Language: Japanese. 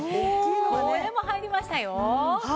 これも入りましたよ。